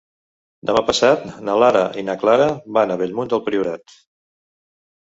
Demà passat na Lara i na Clara van a Bellmunt del Priorat.